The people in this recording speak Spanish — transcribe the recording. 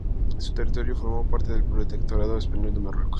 Su territorio formó parte del protectorado español de Marruecos.